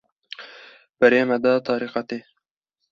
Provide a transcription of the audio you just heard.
Berê me da terîqetê